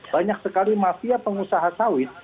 banyak sekali mafia pengusaha sawit